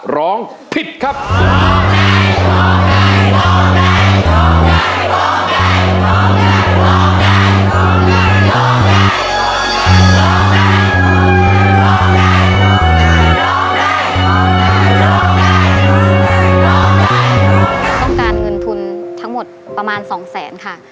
ต้องการเงินทุนทั้งหมดประมาณสองแสนค่ะ